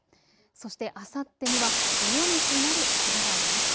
そしてあさってには大雨となるおそれがあります。